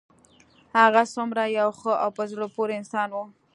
هغه څومره یو ښه او په زړه پورې انسان و